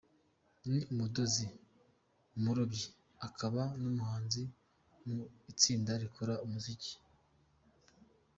ni umudozi, umurobyi, akaba n’umuhanzi mu itsinda rikora umuziki